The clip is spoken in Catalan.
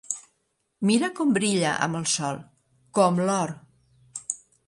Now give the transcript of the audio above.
Mira com brilla amb el sol, com l'or!